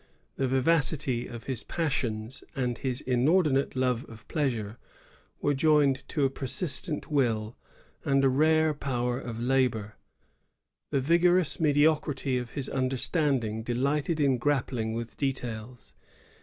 The vivacity of his passions and his inordinate love of pleasure were joined to a persistent wiU and a rare power of labor. The vigorous mediocrity of his understanding delighted in grappling with details.